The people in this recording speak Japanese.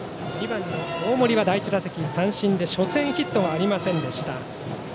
２番の大森は第１打席、三振で初戦ヒットはありませんでした。